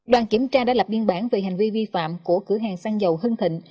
đoàn kiểm tra đã lập biên bản về hành vi vi phạm của cửa hàng xăng dầu hưng thịnh